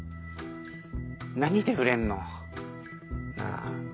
何で売れんの？なぁ。